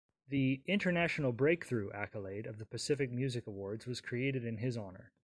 The "International Breakthrough" accolade of the Pacific Music Awards was created in his honour.